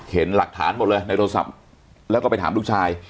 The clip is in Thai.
เห็นหลักฐานหมดเลยในโทรศัพท์แล้วก็ไปถามลูกชาย